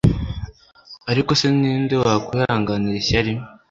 ariko se ni nde wakwihanganira ishyari